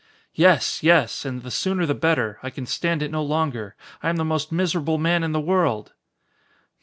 "Yes! Yes! And the sooner the better. I can stand it no longer. I am the most miserable man in the world!"